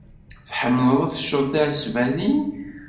Tḥemmleḍ ad teččeḍ tiɛesbanin.